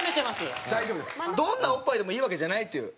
どんなおっぱいでもいいわけじゃないという。